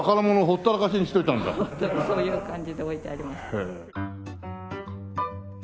ホントにそういう感じで置いてありました。